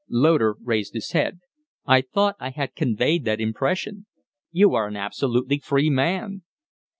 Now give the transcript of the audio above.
Loder raised his head. "I thought I had conveyed that impression." "You are an absolutely free man."